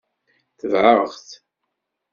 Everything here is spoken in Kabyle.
Tebɛeɣ-t.